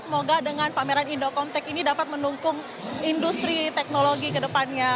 semoga dengan pameran indocomtek ini dapat mendukung industri teknologi ke depannya